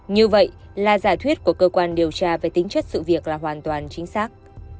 như vậy là giả thuyết của cơ quan điều tra về tính chất sự việc là hoàn toàn chính xác